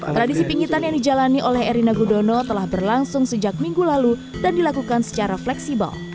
tradisi pingitan yang dijalani oleh erina gudono telah berlangsung sejak minggu lalu dan dilakukan secara fleksibel